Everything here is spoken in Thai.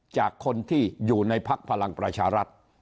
จากคนที่อยู่ในพักพลังประชารัฐ